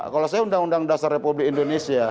kalau saya undang undang dasar republik indonesia